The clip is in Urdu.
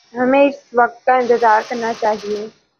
ہمیں اس وقت کا انتظار کرنا چاہیے۔